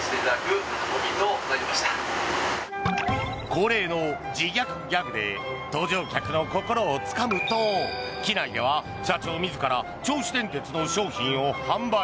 恒例の自虐ギャグで搭乗客の心をつかむと機内では社長自ら銚子電鉄の商品を販売。